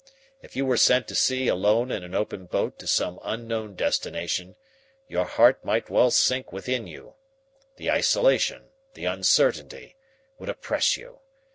If you were sent to sea alone in an open boat to some unknown destination, your heart might well sink within you. The isolation, the uncertainty, would oppress you.